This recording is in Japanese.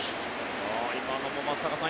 今のも松坂さん